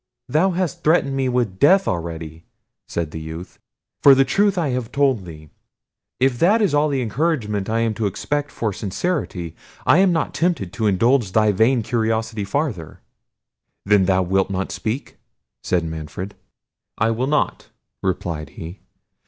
"Thou hast threatened me with death already," said the youth, "for the truth I have told thee: if that is all the encouragement I am to expect for sincerity, I am not tempted to indulge thy vain curiosity farther." "Then thou wilt not speak?" said Manfred. "I will not," replied he.